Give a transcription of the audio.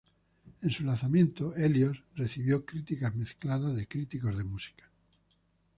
En su lanzamiento, "Helios" recibió críticas mezcladas de críticos de música.